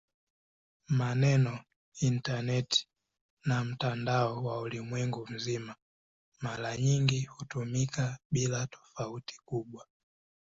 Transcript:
Maneno "intaneti" na "mtandao wa ulimwengu mzima" mara nyingi hutumika bila tofauti kubwa.